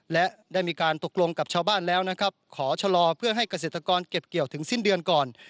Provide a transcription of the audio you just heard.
และได้มีการตกลงกับชาวบ้านแล้วนะครับขอชะลอเพื่อให้เกษตรกรเก็บเกี่ยวถึงสิ้นเดือนก่อน